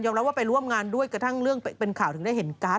รับว่าไปร่วมงานด้วยกระทั่งเรื่องเป็นข่าวถึงได้เห็นการ์ด